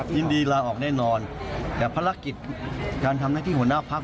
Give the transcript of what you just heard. ยินดีลาออกแน่นอนแต่ภารกิจการทำหน้าที่หัวหน้าพัก